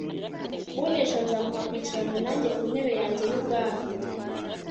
unesha nzamuha kwicarana nanjye ku ntebe yanjye y'ubwami